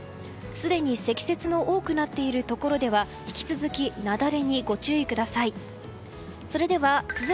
すでに積雪の多くなっているところでは引き続き雪崩にご注意ください。